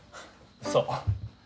そう。